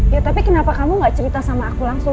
ya tapi kenapa kamu gak cerita sama aku langsung